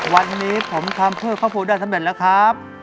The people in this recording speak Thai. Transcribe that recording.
วันนี้ผมทำเพื่อครอบครัวได้สำเร็จแล้วครับ